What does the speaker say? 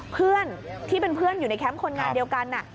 เพื่อนที่เป็นเพื่อนอยู่ในแคมป์คนงานเดียวกัน